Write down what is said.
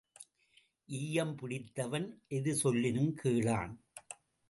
ஈயம் பிடித்தவன் எது சொல்லினும் கேளான்.